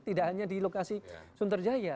tidak hanya di lokasi sunterjaya